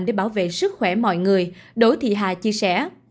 để bảo vệ sức khỏe mọi người đỗ thị hà chia sẻ